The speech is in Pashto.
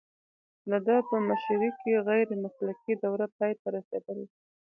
د ده په مشرۍ کې غیر مسلکي دوره پای ته رسیدلې ده